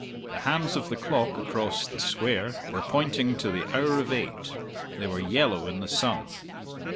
The hands of the clock across "the Square" were pointing to the hour of eight. They were yellow in the sun.